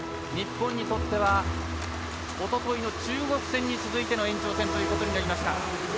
日本にとってはおとといの中国戦に続いての延長戦ということになりました。